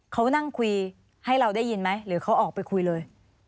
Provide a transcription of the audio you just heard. เขานั่งคุยให้เราได้ยินไหมหรือเขาออกไปคุยเลย